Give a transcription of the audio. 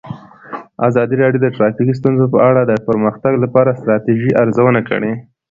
ازادي راډیو د ټرافیکي ستونزې په اړه د پرمختګ لپاره د ستراتیژۍ ارزونه کړې.